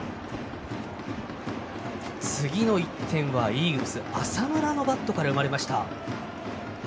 次の１点はイーグルス浅村のバットから生まれました。